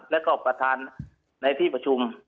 แล้วก็ประธานในที่ประชุม